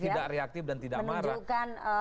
tidak reaktif dan tidak marah kan